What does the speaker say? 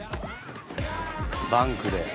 バンクで。